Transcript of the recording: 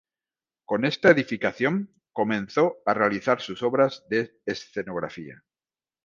Con esta edificación comenzó a realizar sus obras de escenografía.